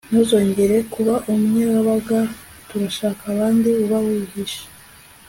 ntuzongere kuba hamwe wabaga, turashaka ahandi uba wihishe